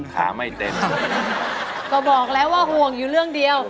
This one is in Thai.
ก็บอกแล้วว่าห่วงอยู่เรื่องเดียว